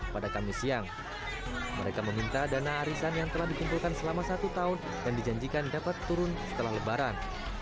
pada kamis siang mereka meminta dana arisan yang telah dikumpulkan selama satu tahun dan dijanjikan dapat turun setelah lebaran